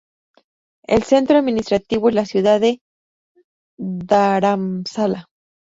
El centro administrativo es la ciudad de Dharamsala.